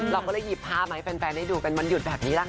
เราก็เลยหยิบภาพมาให้แฟนได้ดูเป็นวันหยุดแบบนี้แหละค่ะ